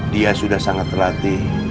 dia sudah sangat terhati